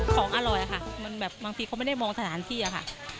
ของอร่อยค่ะบางทีเขาไม่ได้มองสถานที่ค่ะ